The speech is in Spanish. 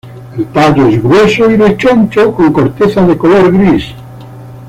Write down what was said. El tallo es grueso y rechoncho con corteza de color gris.